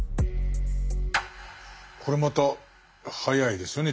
これまた早いですよね。